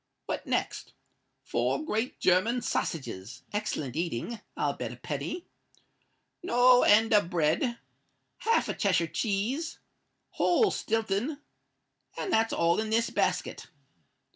What next? Four great German sassages—excellent eating, I'll bet a penny! No end of bread—half a Cheshire cheese—whole Stilton—and that's all in this basket."